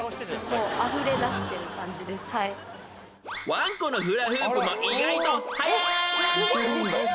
［ワンコのフラフープも意外とはやい！］